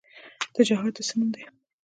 جهاد د څه نوم دی؟